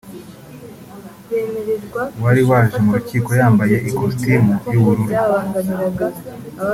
wari waje mu rukiko yambaye ikositimu y’ubururu